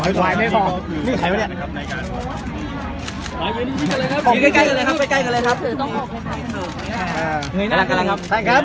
ขอช่วยคุณพี่อีกท่านหนึ่งครับ